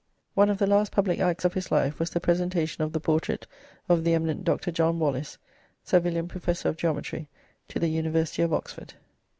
One of the last public acts of his life was the presentation of the portrait of the eminent Dr. John Wallis, Savilian Professor of Geometry, to the University of Oxford.